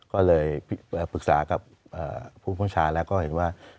ก็เลยปรึกษากับผู้ประชาแล้วก็เห็นว่า